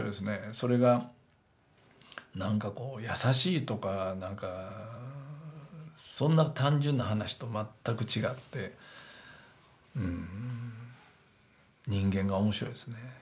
それがなんかこうやさしいとかなんかそんな単純な話と全く違って人間が面白いですね。